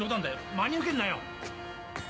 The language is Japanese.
真に受けるなよ！